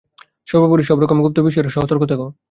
সর্বোপরি সব রকম গুপ্ত সমিতির বিষয়ে সতর্ক থেক।